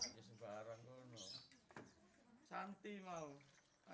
kembali tangan kaki